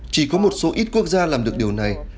chỉ có một số ít quốc gia làm được điều này